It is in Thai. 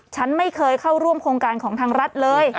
ฉันไม่เคยเข้าร่วมโครงการของทางรัฐเลย